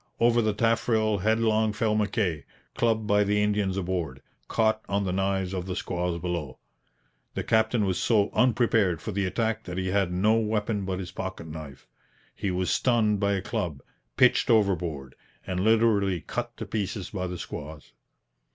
Over the taffrail headlong fell Mackay, clubbed by the Indians aboard, caught on the knives of the squaws below. The captain was so unprepared for the attack that he had no weapon but his pocket knife. He was stunned by a club, pitched overboard, and literally cut to pieces by the squaws.